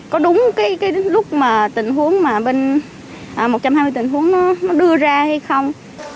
có đúng cái lúc mà tình huống mà bên một trăm hai mươi tình huống nó đưa ra hay không